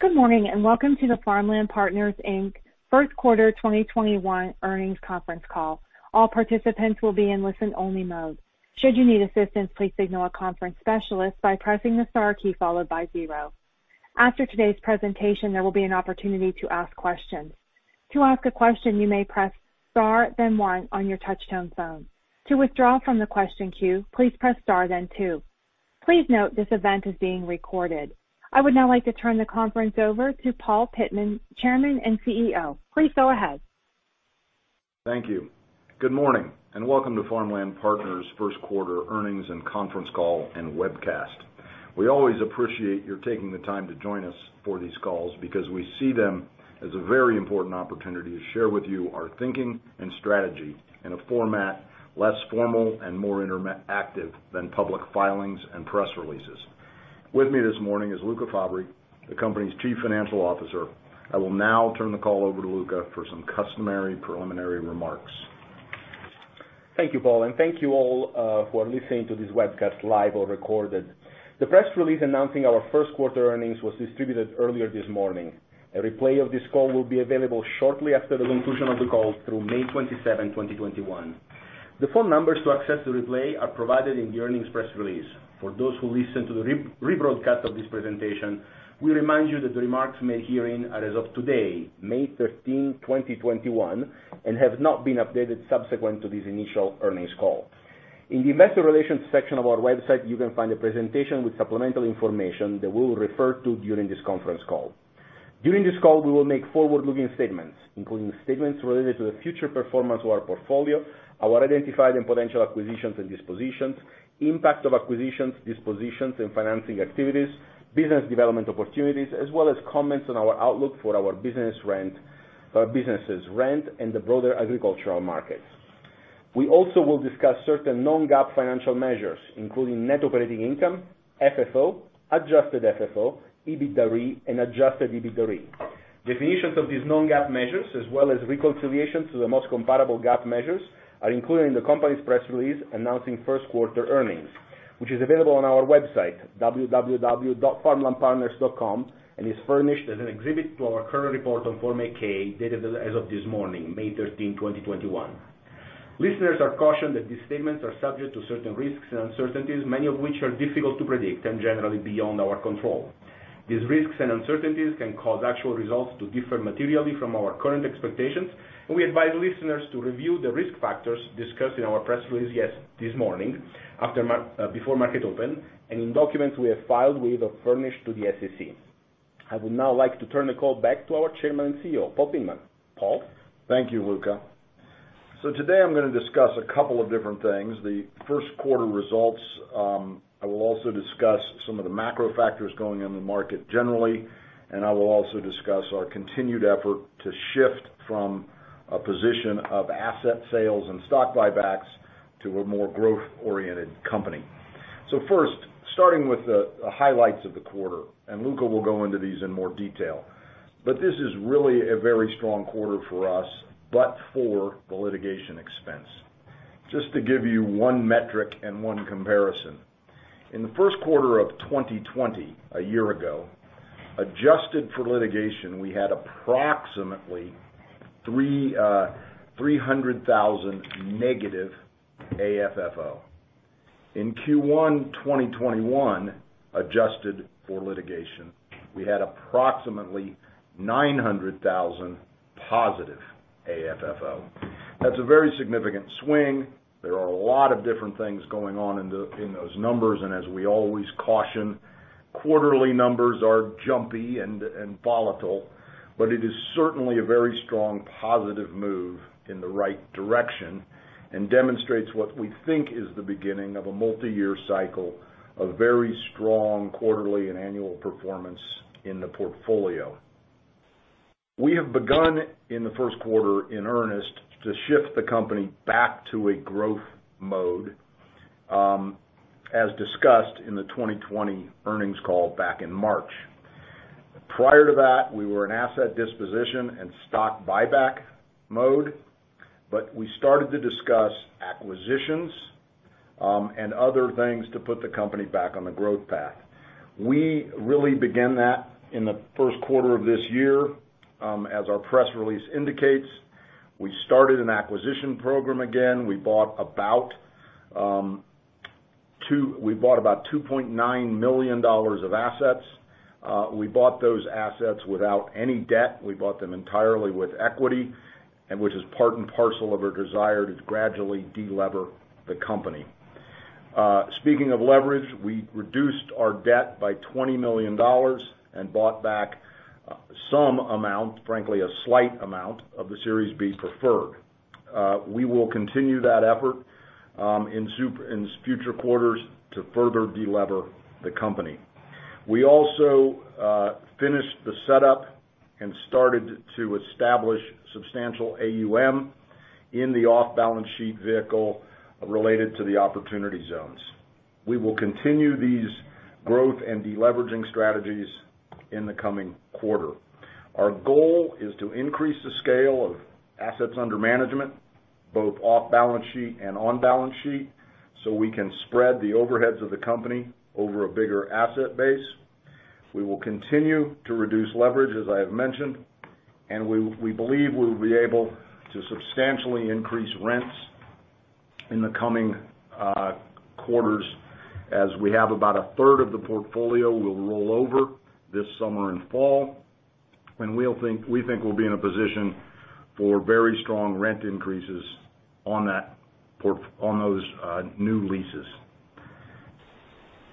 Good morning, welcome to the Farmland Partners Inc first quarter 2021 earnings conference call. All participants will be in listen-only mode. Should you need assistance please signal a conference specialist by pressing the star key followed by zero. After today's presentation, there will be an opportunity to ask questions. To ask a question, you may press star then one on your touchtone phone. To withdraw from the question queue, please press star then two. Please note this event is being recorded. I would now like to turn the conference over to Paul Pittman, Chairman and CEO. Please go ahead. Thank you. Good morning, welcome to Farmland Partners' first quarter earnings and conference call and webcast. We always appreciate your taking the time to join us for these calls because we see them as a very important opportunity to share with you our thinking and strategy in a format less formal and more interactive than public filings and press releases. With me this morning is Luca Fabbri, the company's Chief Financial Officer. I will now turn the call over to Luca for some customary preliminary remarks. Thank you, Paul, and thank you all for listening to this webcast, live or recorded. The press release announcing our first quarter earnings was distributed earlier this morning. A replay of this call will be available shortly after the conclusion of the call through May 27, 2021. The phone numbers to access the replay are provided in the earnings press release. For those who listen to the rebroadcast of this presentation, we remind you that the remarks made herein are as of today, May 13, 2021, and have not been updated subsequent to this initial earnings call. In the Investor Relations section of our website, you can find a presentation with supplemental information that we will refer to during this conference call. During this call, we will make forward-looking statements, including statements related to the future performance of our portfolio, our identified and potential acquisitions and dispositions, impact of acquisitions, dispositions, and financing activities, business development opportunities, as well as comments on our outlook for our businesses rent, and the broader agricultural markets. We also will discuss certain non-GAAP financial measures, including net operating income, FFO, adjusted FFO, EBITDAre, and adjusted EBITDAre. Definitions of these non-GAAP measures, as well as reconciliation to the most comparable GAAP measures, are included in the company's press release announcing first quarter earnings, which is available on our website, www.farmlandpartners.com, and is furnished as an exhibit to our current report on Form 8-K, dated as of this morning, May 13, 2021. Listeners are cautioned that these statements are subject to certain risks and uncertainties, many of which are difficult to predict and generally beyond our control. These risks and uncertainties can cause actual results to differ materially from our current expectations, and we advise listeners to review the risk factors discussed in our press release this morning before market open, and in documents we have filed with or furnished to the SEC. I would now like to turn the call back to our Chairman and CEO, Paul Pittman. Paul? Thank you, Luca. Today, I'm going to discuss a couple of different things. The first quarter results, I will also discuss some of the macro factors going in the market generally, and I will also discuss our continued effort to shift from a position of asset sales and stock buybacks to a more growth-oriented company. First, starting with the highlights of the quarter, and Luca will go into these in more detail. This is really a very strong quarter for us, but for the litigation expense. Just to give you one metric and one comparison. In the first quarter of 2020, a year ago, adjusted for litigation, we had approximately $-300,000 AFFO. In Q1 2021, adjusted for litigation, we had approximately $+900,000 AFFO. That's a very significant swing. There are a lot of different things going on in those numbers, and as we always caution, quarterly numbers are jumpy and volatile, but it is certainly a very strong positive move in the right direction and demonstrates what we think is the beginning of a multi-year cycle of very strong quarterly and annual performance in the portfolio. We have begun in the first quarter in earnest to shift the company back to a growth mode, as discussed in the 2020 earnings call back in March. Prior to that, we were in asset disposition and stock buyback mode, but we started to discuss acquisitions, and other things to put the company back on the growth path. We really began that in the first quarter of this year. As our press release indicates, we started an acquisition program again. We bought about $2.9 million of assets. We bought those assets without any debt. We bought them entirely with equity, which is part and parcel of our desire to gradually de-lever the company. Speaking of leverage, we reduced our debt by $20 million and bought back some amount, frankly, a slight amount, of the Series B preferred. We will continue that effort in future quarters to further de-lever the company. We also finished the setup and started to establish substantial AUM in the off-balance sheet vehicle related to the Opportunity Zones. We will continue these growth and de-leveraging strategies in the coming quarter. Our goal is to increase the scale of assets under management, both off-balance sheet and on-balance sheet. We can spread the overheads of the company over a bigger asset base. We will continue to reduce leverage, as I have mentioned, and we believe we will be able to substantially increase rents in the coming quarters, as we have about a third of the portfolio will roll over this summer and fall. We think we'll be in a position for a very strong rent increases on those new leases.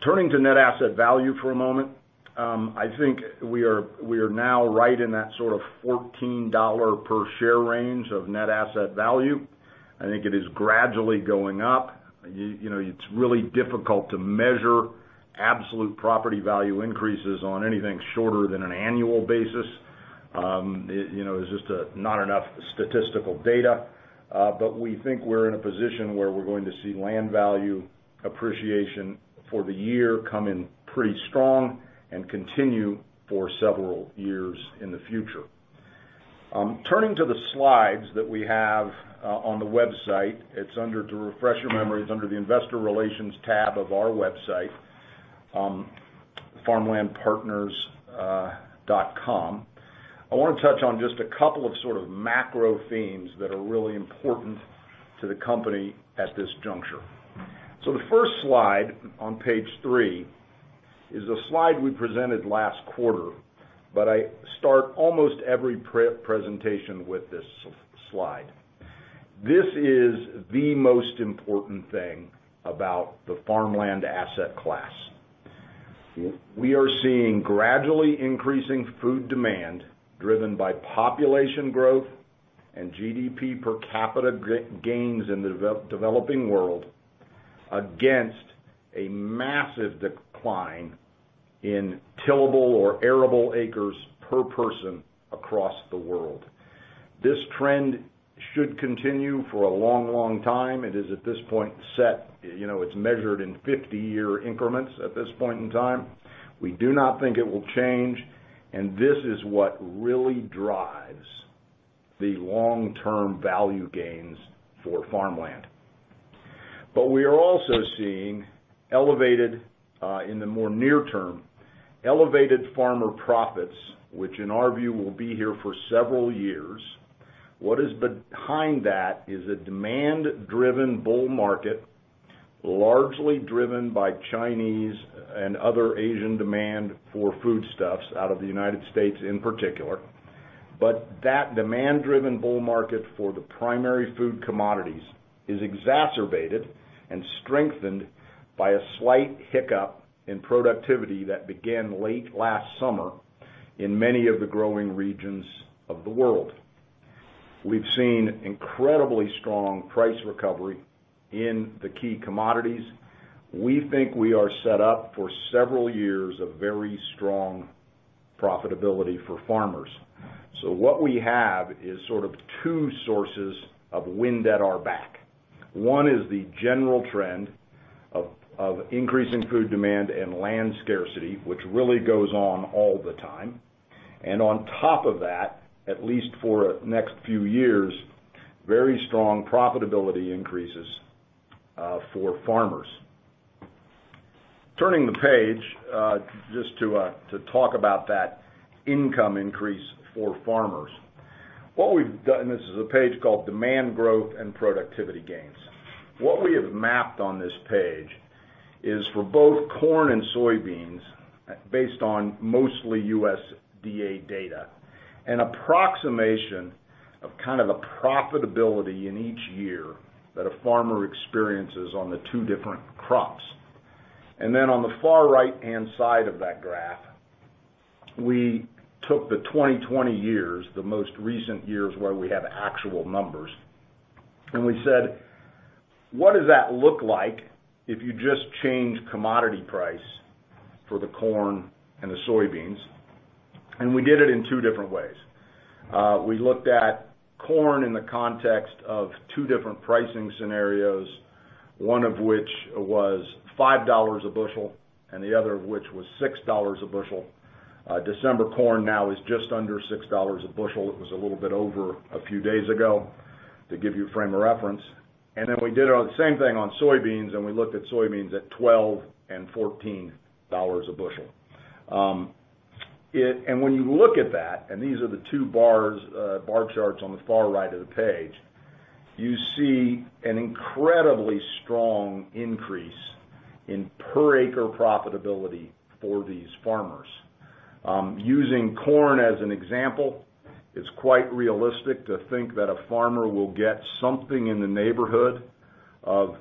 Turning to net asset value for a moment. I think we are now right in that sort of $14 per share range of net asset value. I think it is gradually going up. It's really difficult to measure absolute property value increases on anything shorter than an annual basis. There's just not enough statistical data. We think we're in a position where we're going to see land value appreciation for the year come in pretty strong and continue for several years in the future. Turning to the slides that we have on the website, to refresh your memory, it's under the Investor Relations tab of our website, farmlandpartners.com. I want to touch on just a couple of sort of macro themes that are really important to the company at this juncture. The first slide on page three is a slide we presented last quarter, but I start almost every presentation with this slide. This is the most important thing about the farmland asset class. We are seeing gradually increasing food demand driven by population growth and GDP per capita gains in the developing world against a massive decline in tillable or arable acres per person across the world. This trend should continue for a long time. It is at this point set, it's measured in 50-year increments at this point in time. We do not think it will change. This is what really drives the long-term value gains for farmland. We are also seeing, in the more near term, elevated farmer profits, which in our view will be here for several years. What is behind that is a demand-driven bull market, largely driven by Chinese and other Asian demand for foodstuffs out of the U.S. in particular. That demand-driven bull market for the primary food commodities is exacerbated and strengthened by a slight hiccup in productivity that began late last summer in many of the growing regions of the world. We've seen incredibly strong price recovery in the key commodities. We think we are set up for several years of very strong profitability for farmers. What we have is sort of two sources of wind at our back. One is the general trend of increasing food demand and land scarcity, which really goes on all the time. On top of that, at least for the next few years, very strong profitability increases for farmers. Turning the page, just to talk about that income increase for farmers. This is a page called demand growth and productivity gains. What we have mapped on this page is for both corn and soybeans, based on mostly USDA data, an approximation of kind of the profitability in each year that a farmer experiences on the two different crops. On the far right-hand side of that graph, we took the 2020 years, the most recent years where we have actual numbers. We said, what does that look like if you just change commodity price for the corn and the soybeans? We did it in two different ways. We looked at corn in the context of two different pricing scenarios, one of which was $5 a bushel and the other of which was $6 a bushel. December corn now is just under $6 a bushel. It was a little bit over a few days ago, to give you a frame of reference. Then we did the same thing on soybeans, and we looked at soybeans at $12 and $14 a bushel. When you look at that, and these are the two bar charts on the far right of the page, you see an incredibly strong increase in per acre profitability for these farmers. Using corn as an example, it's quite realistic to think that a farmer will get something in the neighborhood of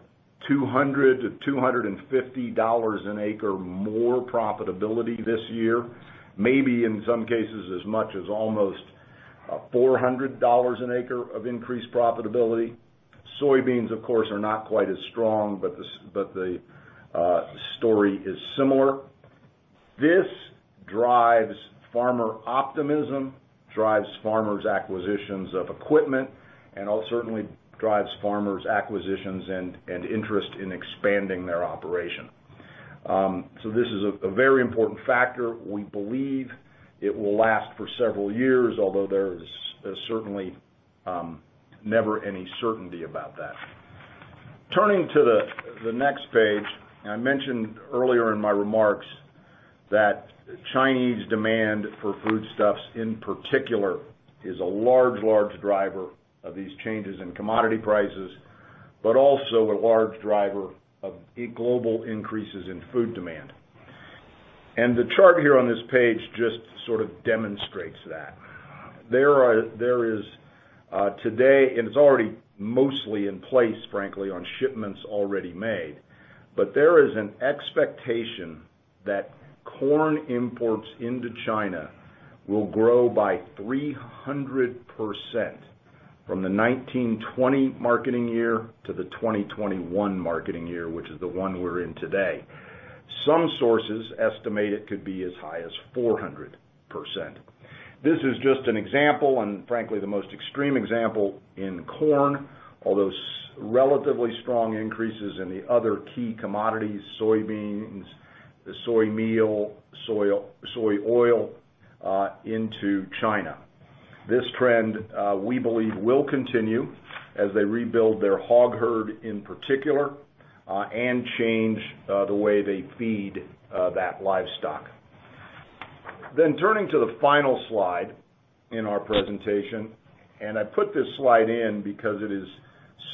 $200-$250 an acre more profitability this year, maybe in some cases as much as almost $400 an acre of increased profitability. Soybeans, of course, are not quite as strong, but the story is similar. This drives farmer optimism, drives farmers' acquisitions of equipment, and certainly drives farmers' acquisitions and interest in expanding their operation. This is a very important factor. We believe it will last for several years, although there's certainly never any certainty about that. Turning to the next page, I mentioned earlier in my remarks that Chinese demand for foodstuffs in particular is a large driver of these changes in commodity prices, but also a large driver of global increases in food demand. The chart here on this page just sort of demonstrates that. There is today, and it's already mostly in place, frankly, on shipments already made, but there is an expectation that corn imports into China will grow by 300% from the 1920 marketing year to the 2021 marketing year, which is the one we're in today. Some sources estimate it could be as high as 400%. This is just an example, and frankly, the most extreme example in corn, although relatively strong increases in the other key commodities, soybeans, soy meal, soy oil into China. This trend, we believe will continue as they rebuild their hog herd in particular, and change the way they feed that livestock. Turning to the final slide in our presentation, and I put this slide in because it is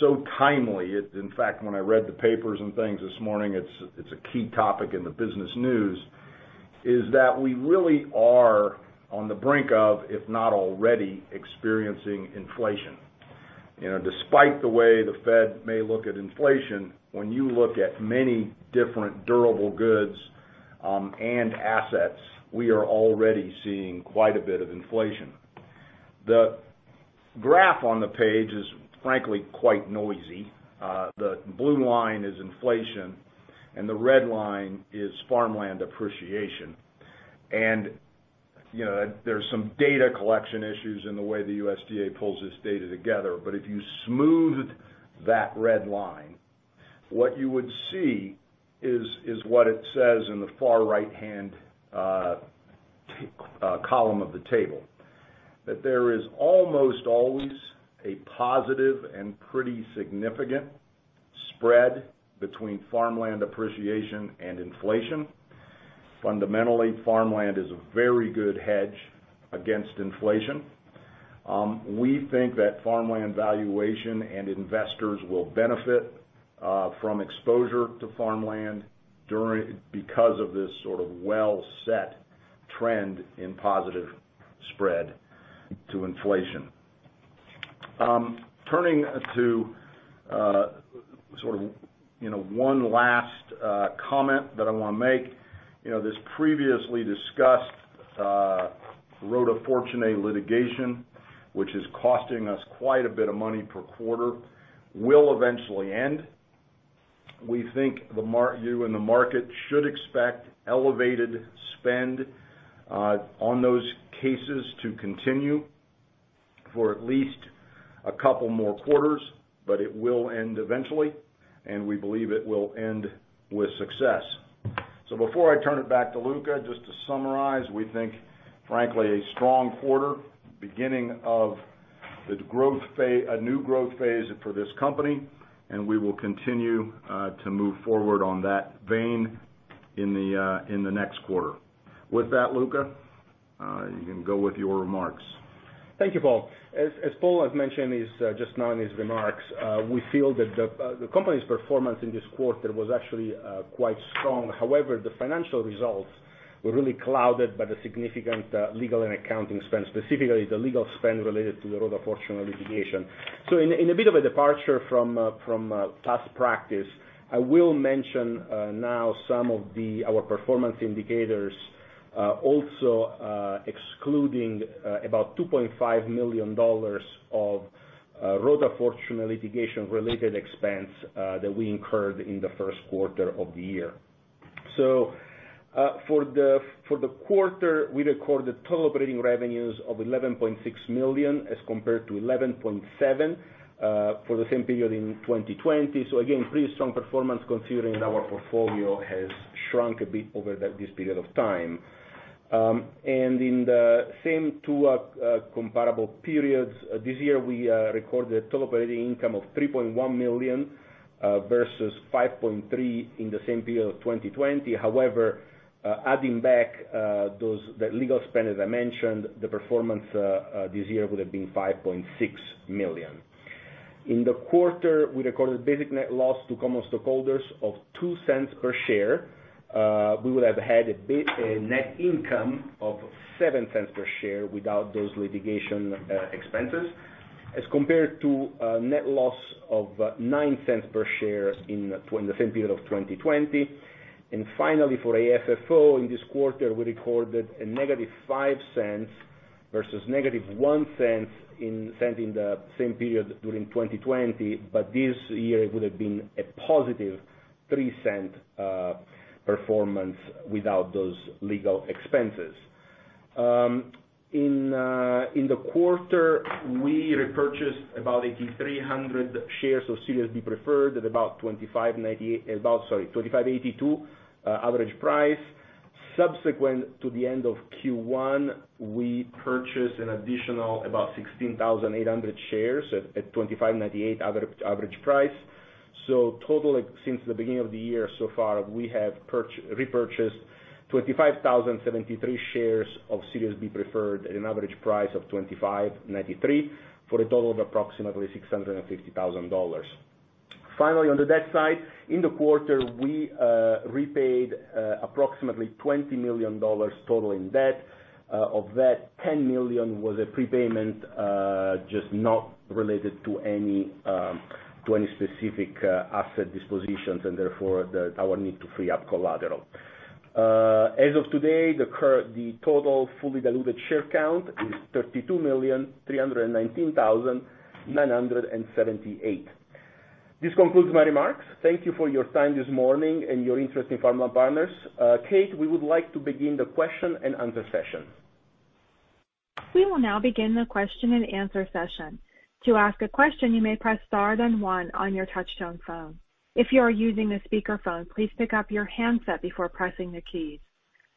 so timely. In fact, when I read the papers and things this morning, it's a key topic in the business news, is that we really are on the brink of, if not already experiencing inflation. Despite the way the Fed may look at inflation, when you look at many different durable goods and assets, we are already seeing quite a bit of inflation. The graph on the page is frankly quite noisy. The blue line is inflation and the red line is farmland appreciation. There's some data collection issues in the way the USDA pulls its data together. If you smoothed that red line, what you would see is what it says in the far right-hand column of the table. That there is almost always a positive and pretty significant spread between farmland appreciation and inflation. Fundamentally, farmland is a very good hedge against inflation. We think that farmland valuation and investors will benefit from exposure to farmland because of this sort of well-set trend in positive spread to inflation. Turning to one last comment that I want to make. This previously discussed Rota Fortunae litigation, which is costing us quite a bit of money per quarter, will eventually end. We think you in the market should expect elevated spend on those cases to continue for at least a couple more quarters, but it will end eventually, and we believe it will end with success. Before I turn it back to Luca, just to summarize, we think, frankly, a strong quarter, beginning of a new growth phase for this company, and we will continue to move forward on that vein in the next quarter. With that, Luca, you can go with your remarks. Thank you, Paul. As Paul has mentioned just now in his remarks, we feel that the company's performance in this quarter was actually quite strong. However, the financial results were really clouded by the significant legal and accounting spend, specifically the legal spend related to the Rota Fortunae litigation. In a bit of a departure from past practice, I will mention now some of our performance indicators also excluding about $2.5 million of Rota Fortunae litigation-related expense that we incurred in the first quarter of the year. For the quarter, we recorded total operating revenues of $11.6 million as compared to $11.7 million for the same period in 2020. Again, pretty strong performance considering our portfolio has shrunk a bit over this period of time. In the same two comparable periods this year, we recorded total operating income of $3.1 million versus $5.3 million in the same period of 2020. However, adding back that legal spend, as I mentioned, the performance this year would have been $5.6 million. In the quarter, we recorded basic net loss to common stockholders of $0.02 per share. We would have had a net income of $0.07 per share without those litigation expenses as compared to a net loss of $0.09 per share in the same period of 2020. Finally, for AFFO in this quarter, we recorded a $-0.05 versus $-0.01 in the same period during 2020. This year it would have been a $+0.03 performance without those legal expenses. In the quarter, we repurchased about 8,300 shares of Series B preferred at about $25.82 average price. Subsequent to the end of Q1, we purchased an additional about 16,800 shares at $25.98 average price. Total, since the beginning of the year so far, we have repurchased 25,073 shares of Series B preferred at an average price of $25.93, for a total of approximately $650,000. Finally, on the debt side, in the quarter, we repaid approximately $20 million total in debt. Of that, $10 million was a prepayment, just not related to any specific asset dispositions, and therefore our need to free up collateral. As of today, the total fully diluted share count is 32,319,978. This concludes my remarks. Thank you for your time this morning and your interest in Farmland Partners. Kate, we would like to begin the Q&A session. We will now begin the Q&A session. To ask a question, you may press star then one on your touchtone phone. If you're using a speaker phone, please pick up your handset before pressing the key.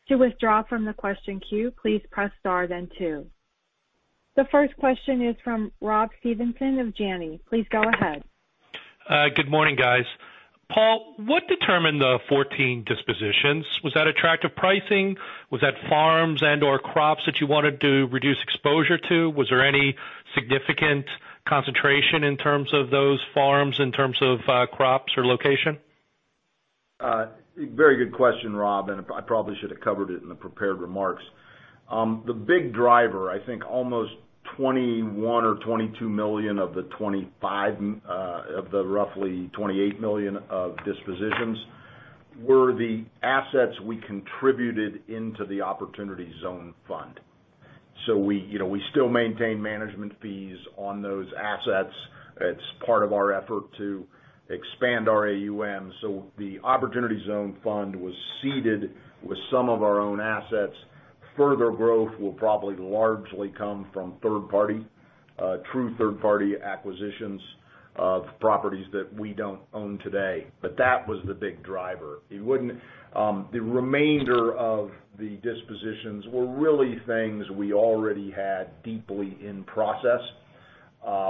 To withdraw from the question queue, please press star then two. The first question is from Rob Stevenson of Janney. Please go ahead. Good morning, guys. Paul, what determined the 14 dispositions? Was that attractive pricing? Was that farms and/or crops that you wanted to reduce exposure to? Was there any significant concentration in terms of those farms, in terms of crops or location? Very good question, Rob, and I probably should have covered it in the prepared remarks. The big driver, I think almost $21 million or $22 million of the roughly $28 million of dispositions, were the assets we contributed into the Opportunity Zone fund. So we still maintain management fees on those assets. It's part of our effort to expand our AUM. So the Opportunity Zone fund was seeded with some of our own assets. Further growth will probably largely come from third party, true third-party acquisitions of properties that we don't own today. But that was the big driver. The remainder of the dispositions were really things we already had deeply in process,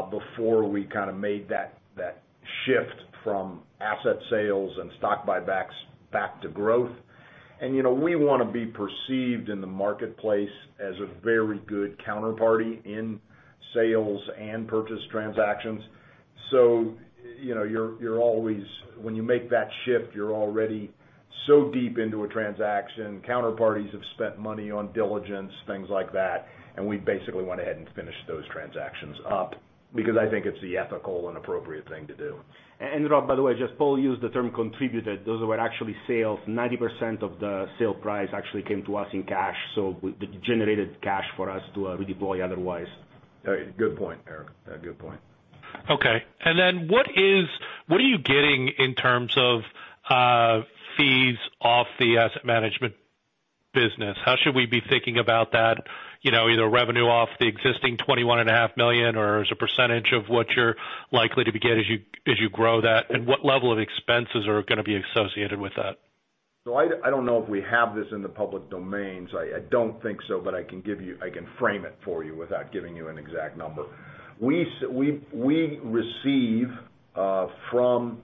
before we kind of made that shift from asset sales and stock buybacks back to growth. And we want to be perceived in the marketplace as a very good counterparty in sales and purchase transactions. When you make that shift, you're already so deep into a transaction, counterparties have spent money on diligence, things like that, and we basically went ahead and finished those transactions up, because I think it's the ethical and appropriate thing to do. Rob, by the way, just Paul used the term contributed. Those were actually sales. 90% of the sale price actually came to us in cash, so it generated cash for us to redeploy otherwise. Good point, there. Good point. Okay. What are you getting in terms of fees off the asset management business? How should we be thinking about that, either revenue off the existing $21.5 million, or as a percentage of what you're likely to get as you grow that? What level of expenses are going to be associated with that? I don't know if we have this in the public domain, I don't think so, but I can frame it for you without giving you an exact number. We receive from the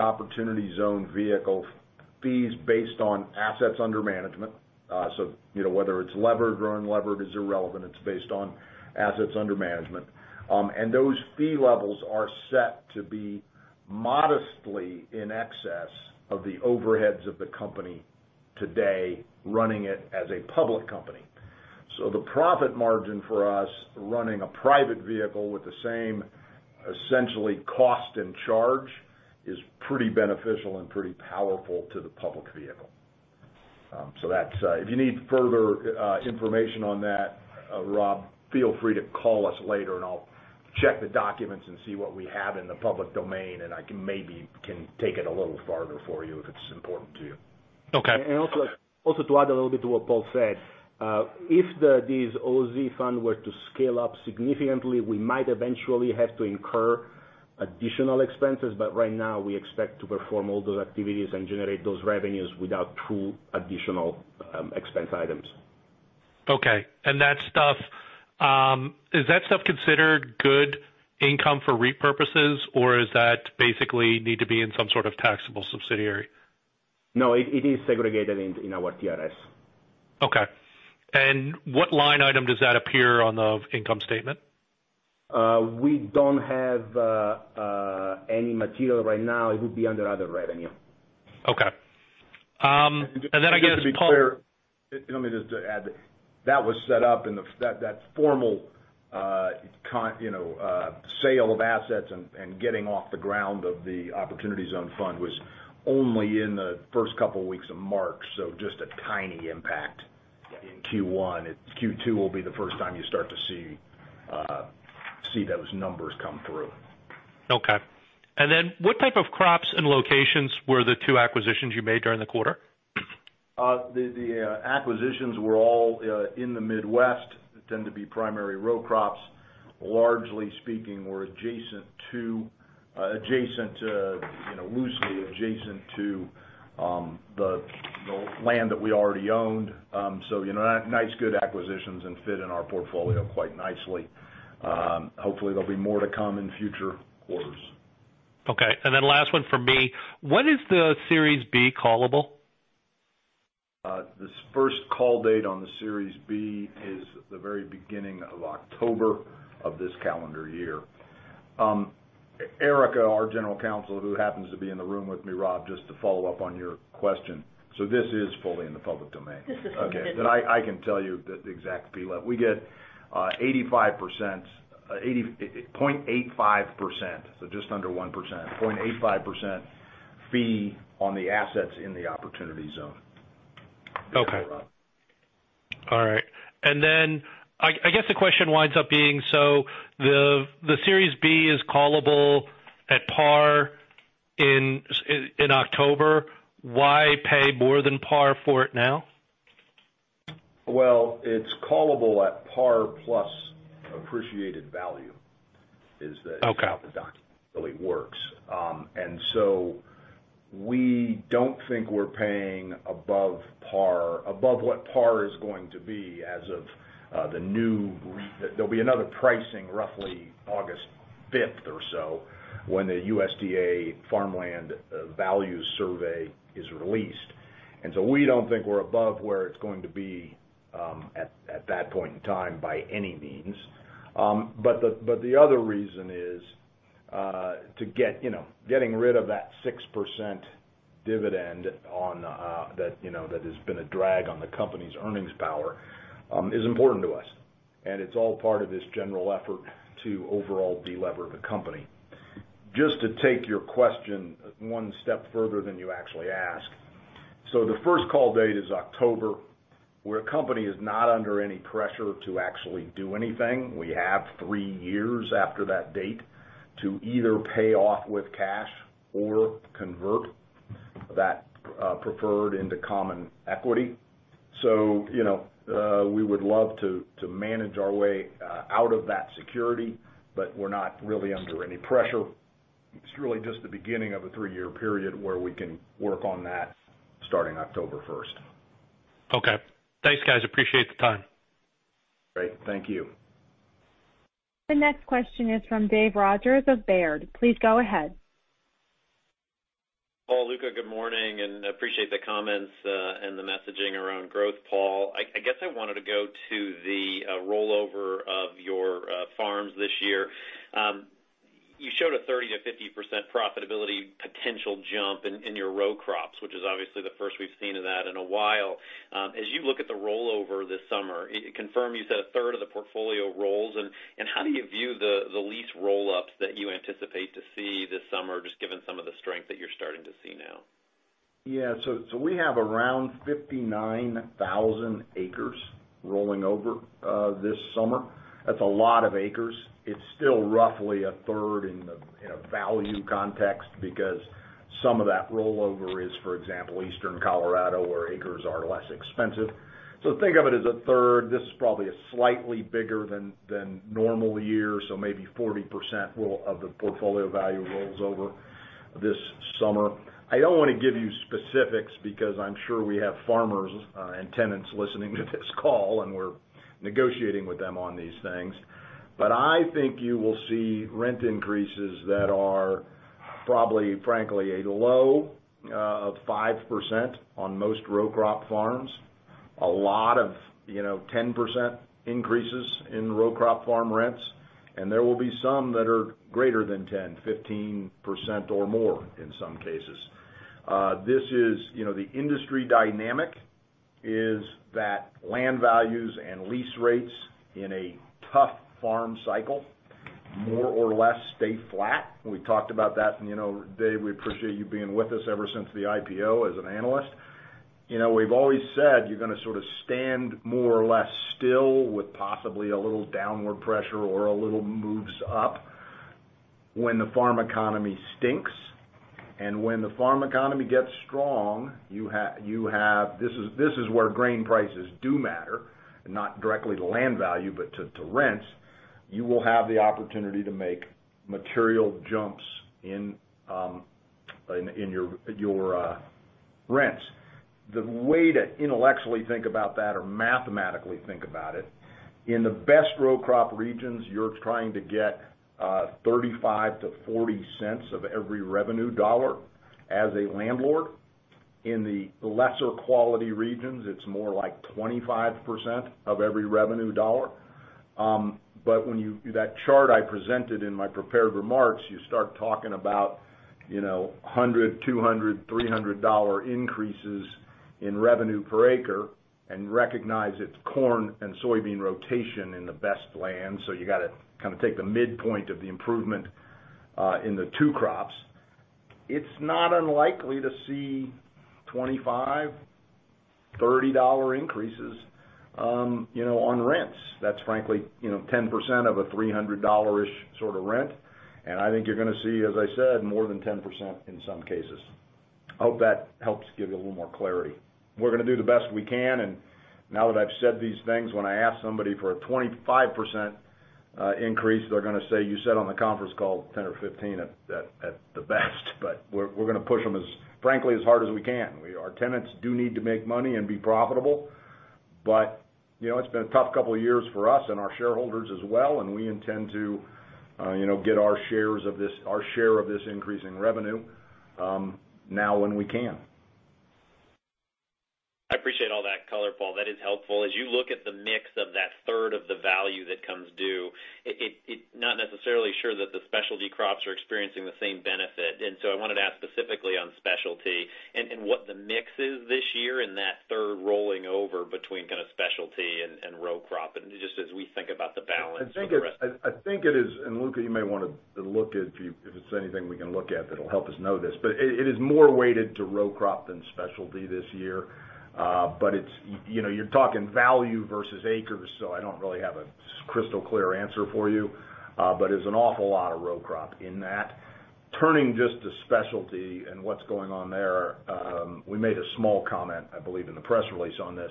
Opportunity Zone vehicle fees based on assets under management. Whether it's levered or unlevered is irrelevant, it's based on assets under management. Those fee levels are set to be modestly in excess of the overheads of the company today, running it as a public company. The profit margin for us running a private vehicle with the same essentially cost and charge is pretty beneficial and pretty powerful to the public vehicle. If you need further information on that, Rob, feel free to call us later, and I'll check the documents and see what we have in the public domain, and I maybe can take it a little farther for you if it's important to you. Okay. Also to add a little bit to what Paul said, if these OZ funds were to scale up significantly, we might eventually have to incur additional expenses. Right now, we expect to perform all those activities and generate those revenues without true additional expense items. Okay. That stuff, is that stuff considered good income for repurposes, or does that basically need to be in some sort of taxable subsidiary? No, it is segregated in our TRS. Okay. What line item does that appear on the income statement? We don't have any material right now. It would be under other revenue. Okay. Just to be clear, let me just add, that was set up in that formal sale of assets and getting off the ground of the Opportunity Zone Fund was only in the first couple of weeks of March, so just a tiny impact in Q1. Q2 will be the first time you start to see those numbers come through. Okay. What type of crops and locations were the two acquisitions you made during the quarter? The acquisitions were all in the Midwest, they tend to be primary row crops. Largely speaking, were loosely adjacent to the land that we already owned. Nice, good acquisitions and fit in our portfolio quite nicely. Hopefully, there'll be more to come in future quarters. Okay. Then last one from me. When is the Series B callable? This first call date on the Series B is the very beginning of October of this calendar year. Erica, our General Counsel, who happens to be in the room with me, Rob, just to follow up on your question. This is fully in the public domain. Okay. I can tell you the exact fee. We get 0.85%, so just under 1%, 0.85% fee on the assets in the Opportunity Zone. Okay. All right. I guess the question winds up being, so the Series B is callable at par in October, why pay more than par for it now? Well, it's callable at par plus appreciated value. Okay. Is really works. We don't think we're paying above what par is going to be. There will be another pricing roughly August 5th or so when the USDA farmland value survey is released. We don't think we're above where it's going to be at that point in time by any means. The other reason is, getting rid of that 6% dividend that has been a drag on the company's earnings power, is important to us. It's all part of this general effort to overall de-lever the company. Just to take your question one step further than you actually asked. The first call date is October. We're a company is not under any pressure to actually do anything. We have three years after that date to either pay off with cash or convert that preferred into common equity. We would love to manage our way out of that security, but we're not really under any pressure. It's really just the beginning of a three-year period where we can work on that starting October 1st. Okay. Thanks, guys, appreciate the time. Great. Thank you. The next question is from Dave Rodgers of Baird. Please go ahead. Paul, Luca, good morning, and appreciate the comments, and the messaging around growth, Paul. I guess I wanted to go to the rollover of your farms this year. You showed a 30%-50% profitability potential jump in your row crops, which is obviously the first we've seen of that in a while. As you look at the rollover this summer, confirm you said a third of the portfolio rolls, and how do you view the lease roll-ups that you anticipate to see this summer, just given some of the strength that you're starting to see now? We have around 59,000 acres rolling over this summer. That's a lot of acres. It's still roughly a third in a value context because some of that rollover is, for example, Eastern Colorado, where acres are less expensive. Think of it as a third. This is probably a slightly bigger than normal year, so maybe 40% of the portfolio value rolls over this summer. I don't want to give you specifics because I'm sure we have farmers and tenants listening to this call, and we're negotiating with them on these things. I think you will see rent increases that are probably, frankly, a low of 5% on most row crop farms. A lot of 10% increases in row crop farm rents, and there will be some that are greater than 10%, 15% or more in some cases. The industry dynamic is that land values and lease rates in a tough farm cycle, more or less stay flat. We talked about that. Dave, we appreciate you being with us ever since the IPO as an analyst. We've always said you're gonna sort of stand more or less still with possibly a little downward pressure or a little moves up when the farm economy stinks. When the farm economy gets strong, this is where grain prices do matter, not directly to land value, but to rents. You will have the opportunity to make material jumps in your rents. The way to intellectually think about that or mathematically think about it, in the best row crop regions, you're trying to get $0.35-$0.40 of every revenue dollar as a landlord. In the lesser quality regions, it's more like 25% of every revenue dollar. That chart I presented in my prepared remarks, you start talking about $100, $200, $300 increases in revenue per acre and recognize it's corn and soybean rotation in the best land, so you got to kind of take the midpoint of the improvement in the two crops. It's not unlikely to see $25, $30 increases on rents. That's frankly 10% of a $300-ish sort of rent. I think you're going to see, as I said, more than 10% in some cases. I hope that helps give you a little more clarity. We're going to do the best we can, and now that I've said these things, when I ask somebody for a 25% increase, they're going to say, "You said on the conference call 10% or 15% at the best." We're going to push them, frankly, as hard as we can. Our tenants do need to make money and be profitable. It's been a tough couple of years for us and our shareholders as well. We intend to get our share of this increasing revenue now when we can. I appreciate all that color, Paul. That is helpful. As you look at the mix of that third of the value that comes due, it is not necessarily sure that the specialty crops are experiencing the same benefit. I wanted to ask specifically on specialty and what the mix is this year in that third rolling over between kind of specialty and row crop, just as we think about the balance for the rest. I think it is, and Luca, you may want to look at if it's anything we can look at that'll help us know this. It is more weighted to row crop than specialty this year. You're talking value versus acres, I don't really have a crystal clear answer for you. It's an awful lot of row crop in that. Turning just to specialty and what's going on there, we made a small comment, I believe, in the press release on this.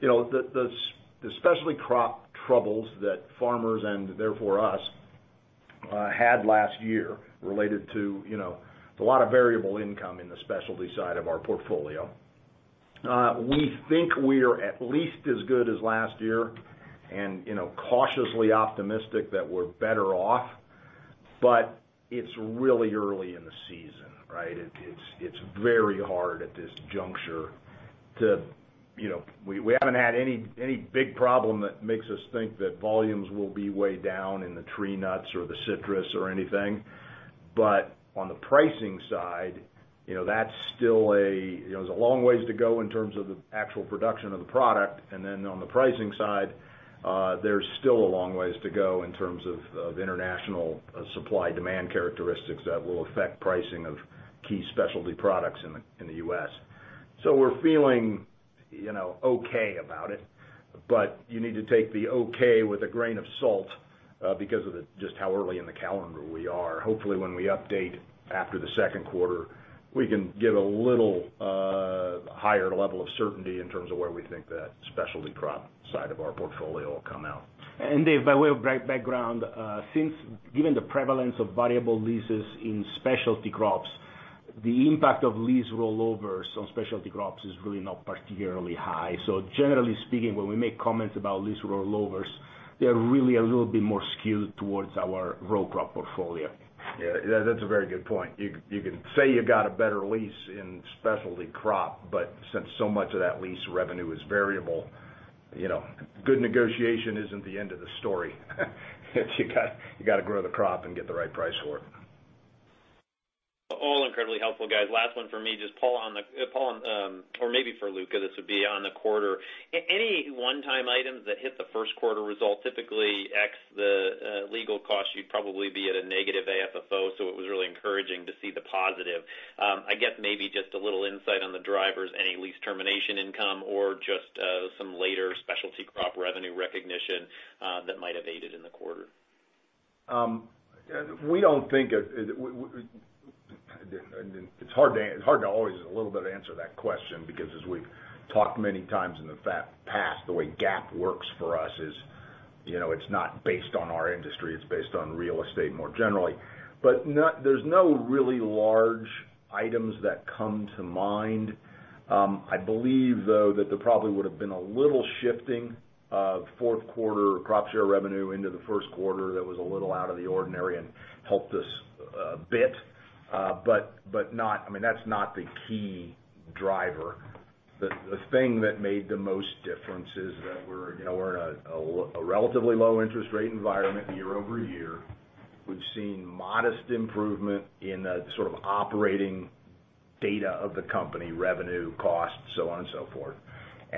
The specialty crop troubles that farmers and therefore us, had last year related to a lot of variable income in the specialty side of our portfolio. We think we're at least as good as last year and cautiously optimistic that we're better off, it's really early in the season, right? It's very hard at this juncture. We haven't had any big problem that makes us think that volumes will be way down in the tree nuts or the citrus or anything. On the pricing side, there's a long ways to go in terms of the actual production of the product. On the pricing side, there's still a long ways to go in terms of international supply-demand characteristics that will affect pricing of key specialty products in the U.S. We're feeling okay about it, but you need to take the okay with a grain of salt, because of just how early in the calendar we are. Hopefully, when we update after the second quarter, we can get a little higher level of certainty in terms of where we think that specialty crop side of our portfolio will come out. Dave, by way of background, given the prevalence of variable leases in specialty crops, the impact of lease rollovers on specialty crops is really not particularly high. Generally speaking, when we make comments about lease rollovers, they're really a little bit more skewed towards our row crop portfolio. Yeah, that's a very good point. You can say you got a better lease in specialty crop, but since so much of that lease revenue is variable, good negotiation isn't the end of the story. You got to grow the crop and get the right price for it. All incredibly helpful, guys. Last one for me, just Paul, or maybe for Luca, this would be on the quarter. Any one-time items that hit the first quarter result, typically X the legal cost, you'd probably be at a negative AFFO, so it was really encouraging to see the positive. I guess maybe just a little insight on the drivers, any lease termination income or just some later specialty crop revenue recognition that might have aided in the quarter. It's hard to always a little bit answer that question because as we've talked many times in the past, the way GAAP works for us is it's not based on our industry, it's based on real estate more generally. There's no really large items that come to mind. I believe, though, that there probably would've been a little shifting of fourth quarter crop share revenue into the first quarter that was a little out of the ordinary and helped us a bit. That's not the key driver. The thing that made the most difference is that we're in a relatively low interest rate environment year-over-year. We've seen modest improvement in the sort of operating data of the company, revenue, cost, so on and so forth.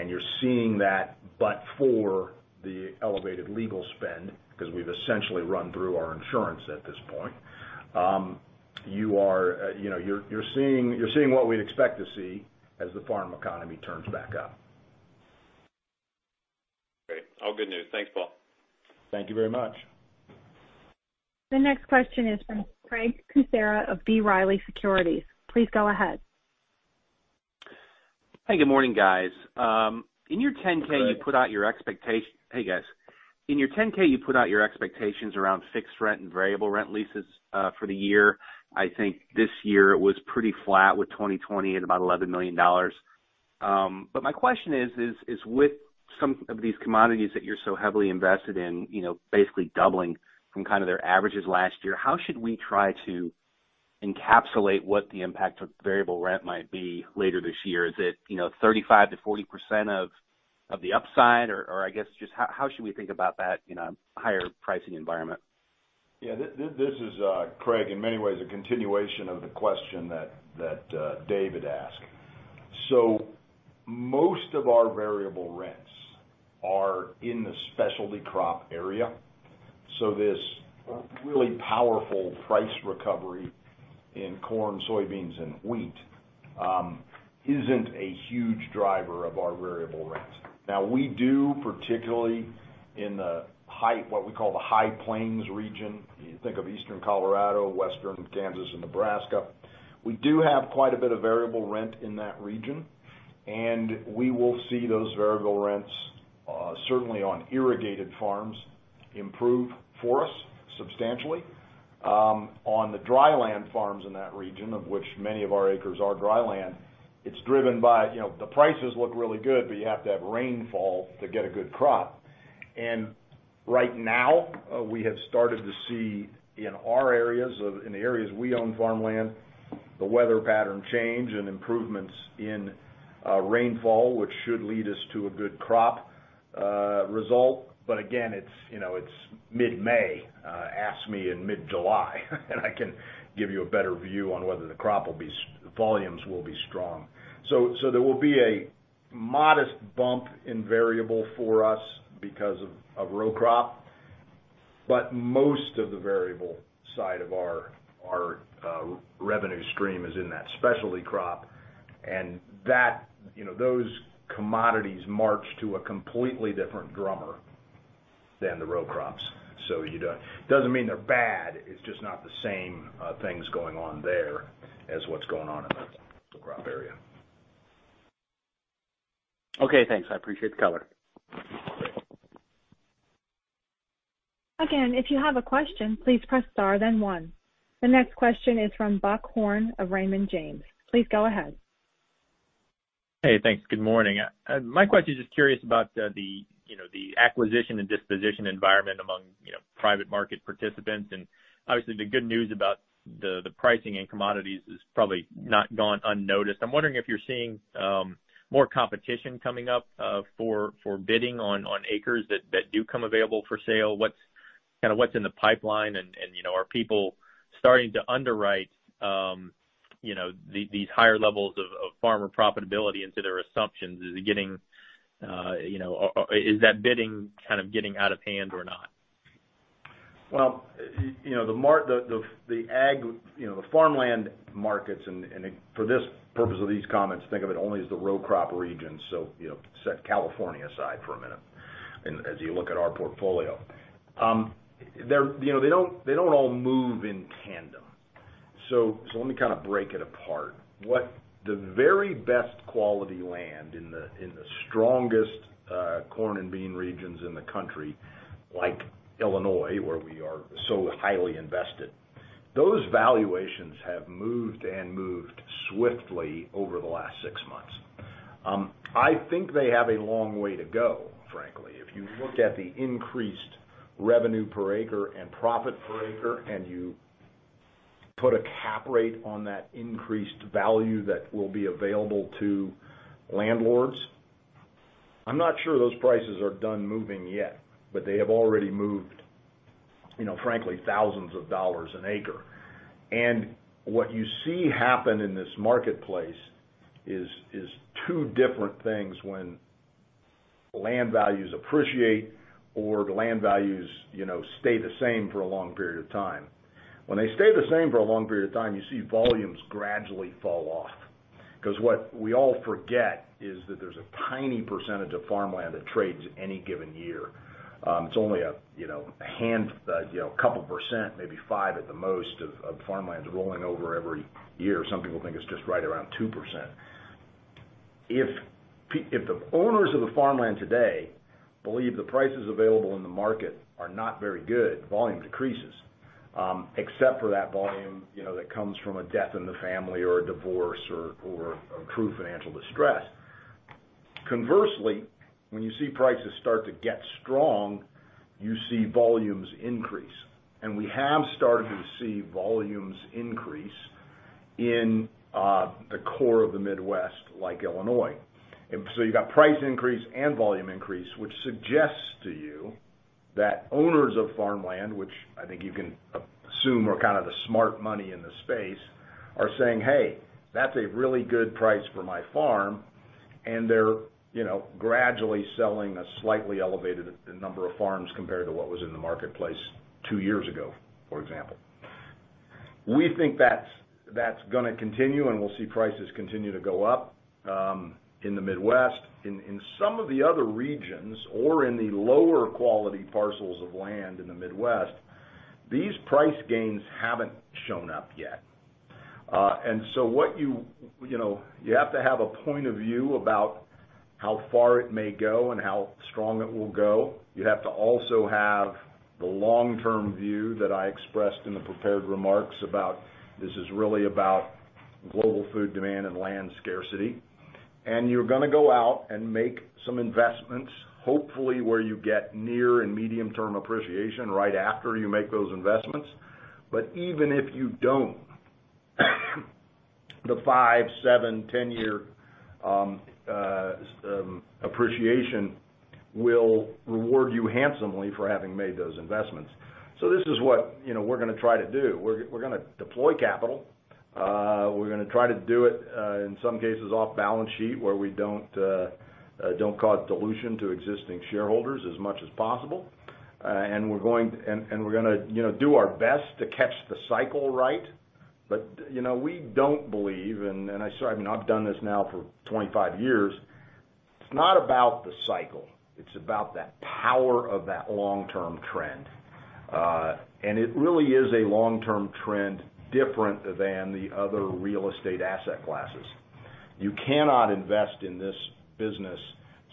You're seeing that, but for the elevated legal spend, because we've essentially run through our insurance at this point. You're seeing what we'd expect to see as the farm economy turns back up. Great. All good news. Thanks, Paul. Thank you very much. The next question is from Craig Kucera of B. Riley Securities. Please go ahead. Hey. Good morning, guys. In your 10-K, you put out your expectations around fixed rent and variable rent leases for the year. I think this year it was pretty flat with 2020 at about $11 million. My question is with some of these commodities that you're so heavily invested in basically doubling from kind of their averages last year, how should we try to encapsulate what the impact of variable rent might be later this year? Is it 35%-40% of the upside? Or I guess just how should we think about that higher pricing environment? Yeah. This is, Craig, in many ways a continuation of the question that David asked. Most of our variable rents are in the specialty crop area. This really powerful price recovery in corn, soybeans, and wheat isn't a huge driver of our variable rents. Now, we do, particularly in what we call the High Plains region, you think of eastern Colorado, western Kansas, and Nebraska. We do have quite a bit of variable rent in that region, we will see those variable rents, certainly on irrigated farms, improve for us substantially. On the dry land farms in that region, of which many of our acres are dry land, it's driven by, the prices look really good, you have to have rainfall to get a good crop. Right now, we have started to see in our areas, in the areas we own farmland, the weather pattern change and improvements in rainfall, which should lead us to a good crop result. Again, it's mid-May. Ask me in mid-July, and I can give you a better view on whether the volumes will be strong. There will be a modest bump in variable for us because of row crop. Most of the variable side of our revenue stream is in that specialty crop, and those commodities march to a completely different drummer than the row crops. Doesn't mean they're bad. It's just not the same things going on there as what's going on in the crop area. Thanks. I appreciate the color. Again, if you have a question, please press star then one. The next question is from Buck Horne of Raymond James. Please go ahead. Hey, thanks. Good morning. My question is just curious about the acquisition and disposition environment among private market participants. Obviously the good news about the pricing and commodities has probably not gone unnoticed. I'm wondering if you're seeing more competition coming up for bidding on acres that do come available for sale. What's in the pipeline, and are people starting to underwrite these higher levels of farmer profitability into their assumptions? Is that bidding kind of getting out of hand or not? Well, the farmland markets, and for this purpose of these comments, think of it only as the row crop region, so set California aside for a minute as you look at our portfolio. They don't all move in tandem. Let me kind of break it apart. The very best quality land in the strongest corn and bean regions in the country, like Illinois, where we are so highly invested, those valuations have moved and moved swiftly over the last six months. I think they have a long way to go, frankly. If you look at the increased revenue per acre and profit per acre, and you put a cap rate on that increased value that will be available to landlords, I'm not sure those prices are done moving yet, but they have already moved, frankly, thousands of dollars an acre. What you see happen in this marketplace is two different things when land values appreciate or the land values stay the same for a long period of time. When they stay the same for a long period of time, you see volumes gradually fall off. What we all forget is that there's a tiny percent of farmland that trades any given year. It's only a couple percent, maybe 5% at the most, of farmlands rolling over every year. Some people think it's just right around 2%. If the owners of the farmland today believe the prices available in the market are not very good, volume decreases, except for that volume that comes from a death in the family or a divorce or true financial distress. Conversely, when you see prices start to get strong, you see volumes increase. We have started to see volumes increase in the core of the Midwest, like Illinois. You got price increase and volume increase, which suggests to you that owners of farmland, which I think you can assume are kind of the smart money in the space, are saying, "Hey, that's a really good price for my farm." They're gradually selling a slightly elevated number of farms compared to what was in the marketplace two years ago, for example. We think that's going to continue, and we'll see prices continue to go up in the Midwest. In some of the other regions or in the lower quality parcels of land in the Midwest, these price gains haven't shown up yet. You have to have a point of view about how far it may go and how strong it will go. You have to also have the long-term view that I expressed in the prepared remarks about this is really about global food demand and land scarcity. You're going to go out and make some investments, hopefully where you get near and medium term appreciation right after you make those investments. Even if you don't, the five, seven, 10-year appreciation will reward you handsomely for having made those investments. This is what we're going to try to do. We're going to deploy capital. We're going to try to do it, in some cases, off balance sheet where we don't cause dilution to existing shareholders as much as possible. We're going to do our best to catch the cycle right. We don't believe, and I've done this now for 25 years, it's not about the cycle, it's about that power of that long-term trend. It really is a long-term trend different than the other real estate asset classes. You cannot invest in this business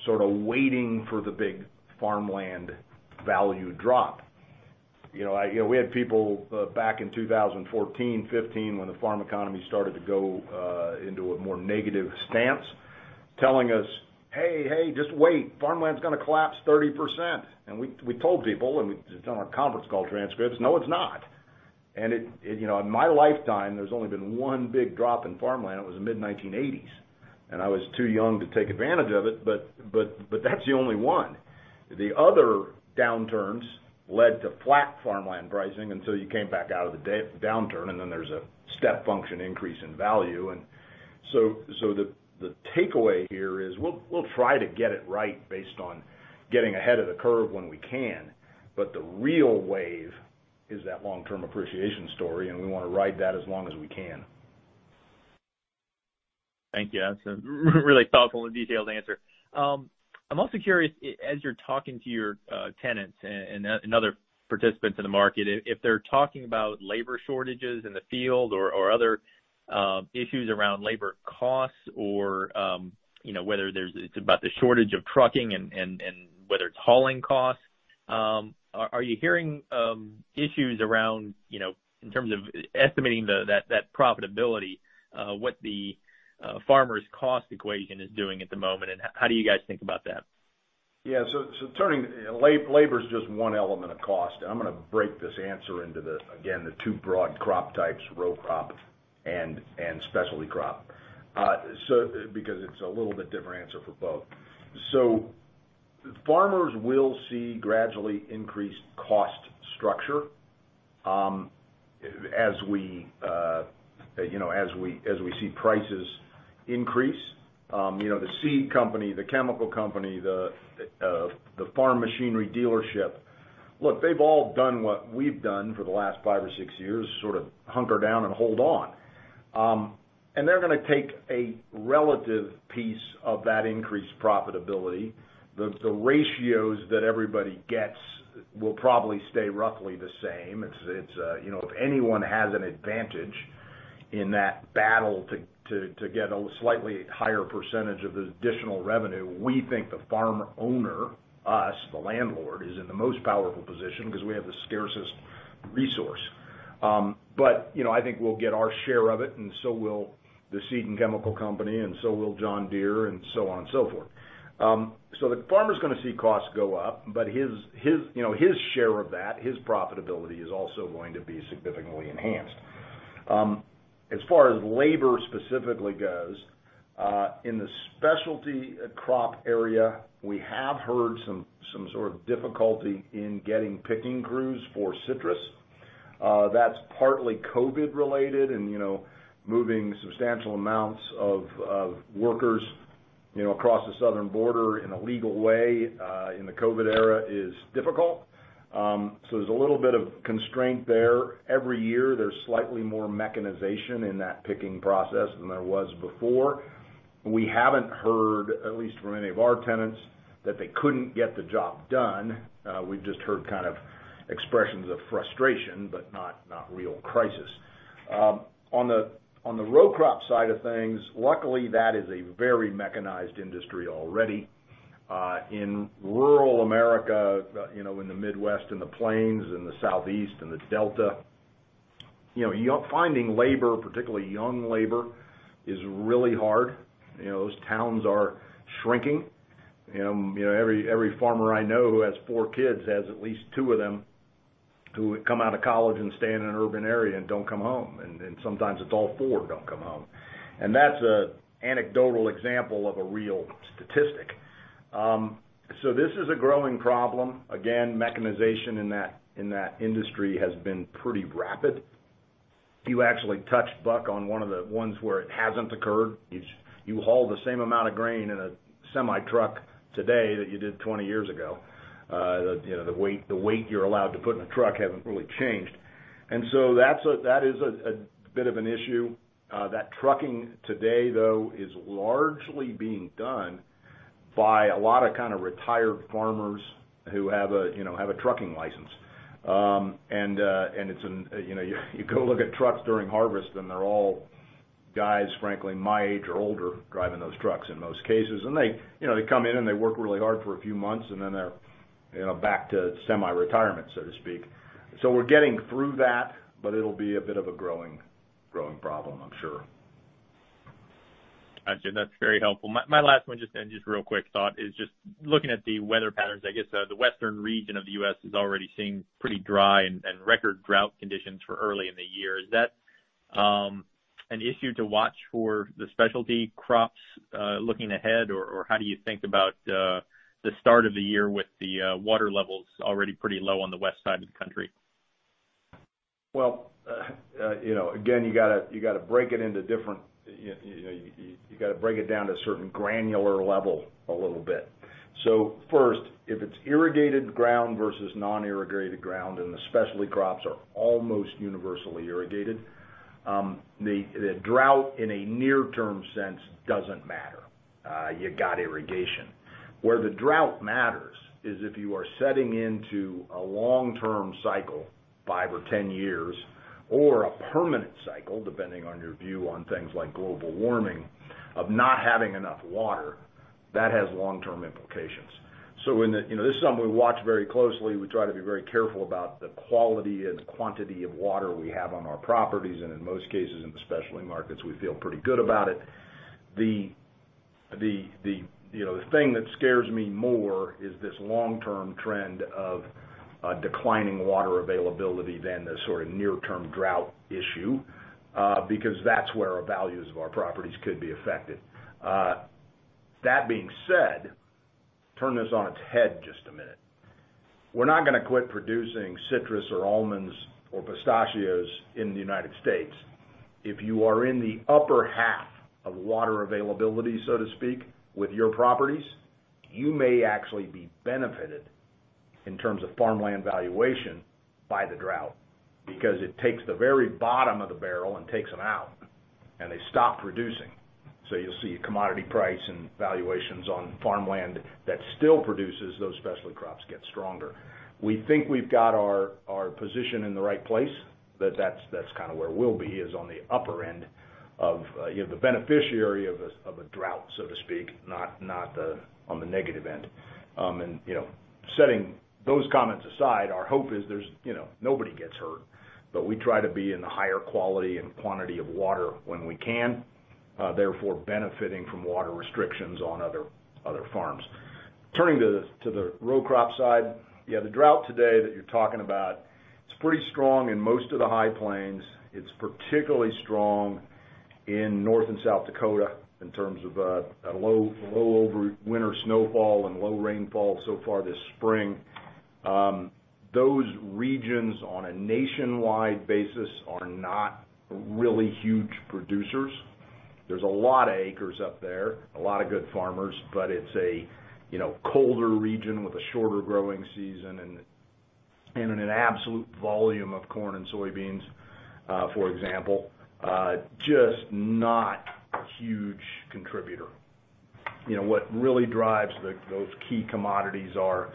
sort of waiting for the big farmland value drop. We had people back in 2014, 2015, when the farm economy started to go into a more negative stance, telling us, "Hey, just wait. Farmland's going to collapse 30%." We told people, and it's on our conference call transcripts, "No, it's not." In my lifetime, there's only been one big drop in farmland, it was the mid-1980s. I was too young to take advantage of it, but that's the only one. The other downturns led to flat farmland pricing until you came back out of the downturn, and then there's a step function increase in value. The takeaway here is we'll try to get it right based on getting ahead of the curve when we can, but the real wave is that long-term appreciation story, and we want to ride that as long as we can. Thank you. That's a really thoughtful and detailed answer. I'm also curious, as you're talking to your tenants and other participants in the market, if they're talking about labor shortages in the field or other issues around labor costs or whether it's about the shortage of trucking and whether it's hauling costs. Are you hearing issues in terms of estimating that profitability, what the farmer's cost equation is doing at the moment, and how do you guys think about that? Yeah. Labor is just one element of cost. I'm going to break this answer into, again, the two broad crop types, row crop and specialty crop, because it's a little bit different answer for both. Farmers will see gradually increased cost structure as we see prices increase. The seed company, the chemical company, the farm machinery dealership, look, they've all done what we've done for the last five or six years, sort of hunker down and hold on. They're going to take a relative piece of that increased profitability. The ratios that everybody gets will probably stay roughly the same. If anyone has an advantage in that battle to get a slightly higher percentage of the additional revenue, we think the farm owner, us, the landlord, is in the most powerful position because we have the scarcest resource. I think we'll get our share of it, and so will the seed and chemical company, and so will John Deere, and so on and so forth. The farmer's going to see costs go up, but his share of that, his profitability is also going to be significantly enhanced. As far as labor specifically goes, in the specialty crop area, we have heard some sort of difficulty in getting picking crews for citrus. That's partly COVID related and, moving substantial amounts of workers across the southern border in a legal way, in the COVID era is difficult. There's a little bit of constraint there. Every year, there's slightly more mechanization in that picking process than there was before. We haven't heard, at least from any of our tenants, that they couldn't get the job done. We've just heard kind of expressions of frustration, but not real crisis. On the row crop side of things, luckily, that is a very mechanized industry already. In rural America, in the Midwest and the Plains and the Southeast and the Delta, finding labor, particularly young labor, is really hard. Those towns are shrinking. Every farmer I know who has four kids has at least two of them who come out of college and stay in an urban area and don't come home. Sometimes it's all four don't come home. That's an anecdotal example of a real statistic. This is a growing problem. Again, mechanization in that industry has been pretty rapid. You actually touched, Buck, on one of the ones where it hasn't occurred. You haul the same amount of grain in a semi truck today that you did 20 years ago. The weight you're allowed to put in a truck haven't really changed. That is a bit of an issue. That trucking today, though, is largely being done by a lot of kind of retired farmers who have a trucking license. You go look at trucks during harvest, and they're all guys, frankly, my age or older driving those trucks in most cases. They come in and they work really hard for a few months, and then they're back to semi-retirement, so to speak. We're getting through that, but it'll be a bit of a growing problem, I'm sure. Gotcha. That's very helpful. My last one, just a real quick thought, is just looking at the weather patterns, I guess the western region of the U.S. is already seeing pretty dry and record drought conditions for early in the year. Is that an issue to watch for the specialty crops looking ahead, or how do you think about the start of the year with the water levels already pretty low on the west side of the country? Well, again, you got to break it down to a certain granular level a little bit. First, if it's irrigated ground versus non-irrigated ground, and the specialty crops are almost universally irrigated, the drought in a near-term sense doesn't matter. You got irrigation. Where the drought matters is if you are setting into a long-term cycle, five or 10 years, or a permanent cycle, depending on your view on things like global warming, of not having enough water. That has long-term implications. This is something we watch very closely. We try to be very careful about the quality and quantity of water we have on our properties, and in most cases, in the specialty markets, we feel pretty good about it. The thing that scares me more is this long-term trend of declining water availability than the sort of near-term drought issue, because that's where our values of our properties could be affected. That being said, turn this on its head just a minute. We're not going to quit producing citrus or almonds or pistachios in the United States. If you are in the upper half of water availability, so to speak, with your properties, you may actually be benefited in terms of farmland valuation by the drought, because it takes the very bottom of the barrel and takes them out, and they stop producing. You'll see commodity price and valuations on farmland that still produces those specialty crops get stronger. We think we've got our position in the right place. That's kind of where we'll be, is on the upper end of the beneficiary of a drought, so to speak, not on the negative end. Setting those comments aside, our hope is nobody gets hurt. We try to be in the higher quality and quantity of water when we can, therefore benefiting from water restrictions on other farms. Turning to the row crop side, the drought today that you're talking about, it's pretty strong in most of the High Plains. It's particularly strong in North and South Dakota in terms of a low over-winter snowfall and low rainfall so far this spring. Those regions, on a nationwide basis, are not really huge producers. There's a lot of acres up there, a lot of good farmers, but it's a colder region with a shorter growing season and an absolute volume of corn and soybeans, for example, just not a huge contributor. What really drives those key commodities are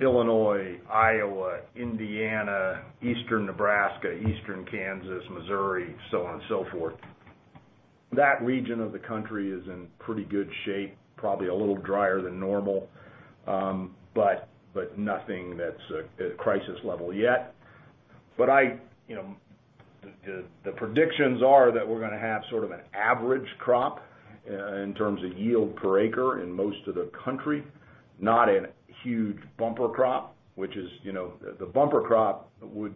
Illinois, Iowa, Indiana, Eastern Nebraska, Eastern Kansas, Missouri, so on and so forth. That region of the country is in pretty good shape, probably a little drier than normal. Nothing that's at crisis level yet. The predictions are that we're going to have sort of an average crop in terms of yield per acre in most of the country, not a huge bumper crop. The bumper crop would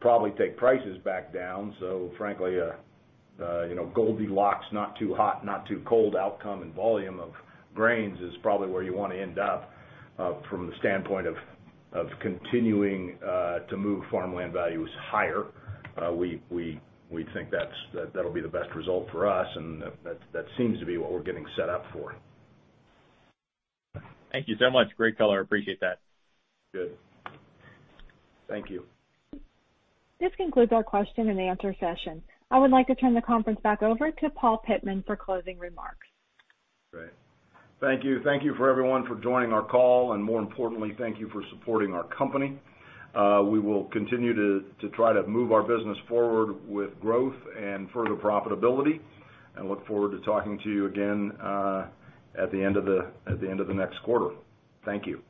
probably take prices back down. Frankly, Goldilocks, not too hot, not too cold outcome and volume of grains is probably where you want to end up from the standpoint of continuing to move farmland values higher. We think that'll be the best result for us, and that seems to be what we're getting set up for. Thank you so much. Great color. I appreciate that. Good. Thank you. This concludes our Q&A session. I would like to turn the conference back over to Paul Pittman for closing remarks. Great. Thank you. Thank you, everyone, for joining our call, and more importantly, thank you for supporting our company. We will continue to try to move our business forward with growth and further profitability, and look forward to talking to you again at the end of the next quarter. Thank you.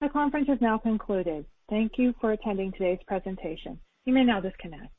The conference has now concluded. Thank you for attending today's presentation. You may now disconnect.